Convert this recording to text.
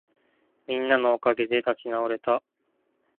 みんなのおかげで立ち直れた